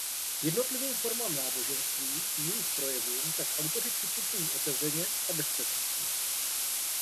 K jednotlivým formám náboženství i jejich projevům tak autoři přistupují otevřeně a bez předsudků.